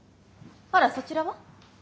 あらそちらは？